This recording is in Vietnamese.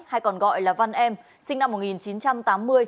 hay còn gọi là văn em sinh năm một nghìn chín trăm tám mươi